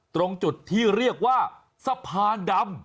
ตรงจุดที่เรียกว่าสะพานดำ